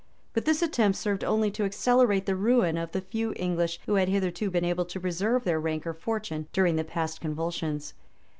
But this attempt served only to accelerate the ruin of the few English who had hitherto been able to preserve their rank or fortune during the past convulsions.